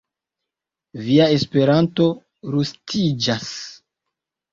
Via Esperanto rustiĝas.